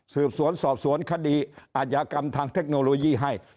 สืบสวนสอบสวนคดีอาชญากรรมทางเทคโนโลยีให้